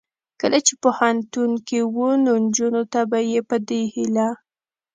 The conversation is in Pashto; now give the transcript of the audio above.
کله چې پوهنتون کې و نو نجونو ته به یې په دې هیله